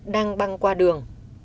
đang băng qua đường